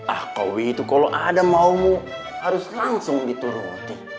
ah kau itu kalau ada maumu harus langsung gitu roti